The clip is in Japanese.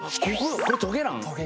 これトゲなの？